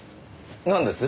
なんです？